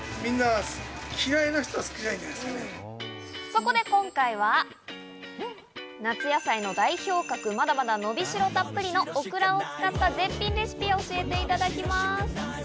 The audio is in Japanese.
そこで今回は、夏野菜の代表格、まだまだのびしろたっぷりのオクラを使った絶品レシピを教えていただきます。